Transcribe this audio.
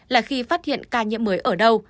là khi phát hiện ca nhiễm mới ở đâu